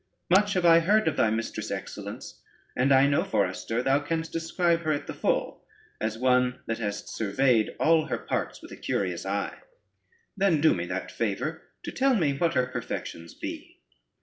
"Much have I heard of thy mistress' excellence, and I know, forester, thou canst describe her at the full, as one that hast surveyed all her parts with a curious eye; then do me that favor, to tell me what her perfections be."